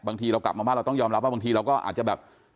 บางทีเรากลับมาบ้านเราต้องยอมรับว่าบางทีเราก็อาจจะแบบ